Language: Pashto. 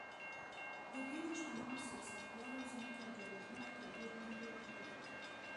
د ډېرو شتمنو سیاستوالو ځمکې او جایدادونه تر برید لاندې راتلل.